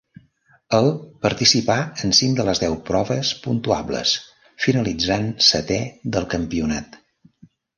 El participà en cinc de les deu proves puntuables, finalitzant setè del campionat.